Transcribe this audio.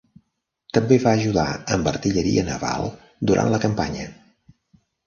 També va ajudar amb artilleria naval durant la campanya.